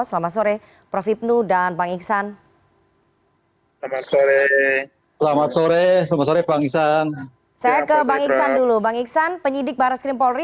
selamat sore prof hipnu dan bang iksan